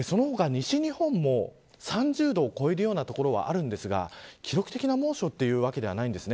西日本でも３０度を超えるような所はあるんですが記録的な猛暑というわけではないんです。